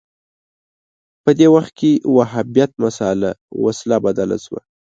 په دې وخت کې وهابیت مسأله وسله بدله شوه